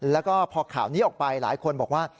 แล้วก็พอข่าวนี้ออกไปหลายคนบอกว่า